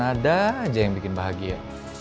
ada aja yang bikin bahagia